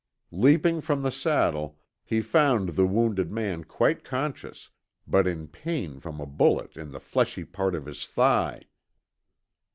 Leaping from the saddle, he found the wounded man quite conscious, but in pain from a bullet in the fleshy part of his thigh.